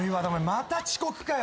また遅刻かよ！